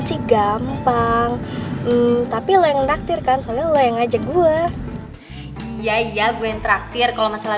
sih gampang tapi lo yang ngajakkan soalnya lo yang ngajak gua iya gua yang traktir kalau masalah